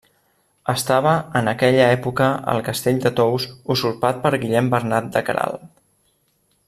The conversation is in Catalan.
Estava en aquella època el Castell de Tous usurpat per Guillem Bernat de Queralt.